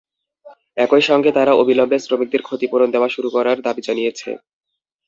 একই সঙ্গে তারা অবিলম্বে শ্রমিকদের ক্ষতিপূরণ দেওয়া শুরু করার দাবি জানিয়েছে।